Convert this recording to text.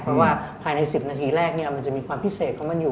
เพราะว่าภายใน๑๐นาทีแรกมันจะมีความพิเศษของมันอยู่